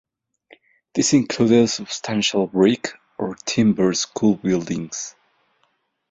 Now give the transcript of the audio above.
This included substantial brick or timber school buildings.